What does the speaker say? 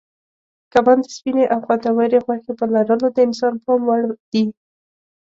کبان د سپینې او خوندورې غوښې په لرلو د انسان پام وړ دي.